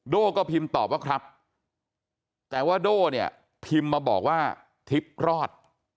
ก็พิมพ์ตอบว่าครับแต่ว่าโด่เนี่ยพิมพ์มาบอกว่าทิพย์รอด